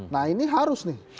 nah ini harus nih